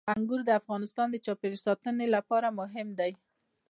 انګور د افغانستان د چاپیریال ساتنې لپاره مهم دي.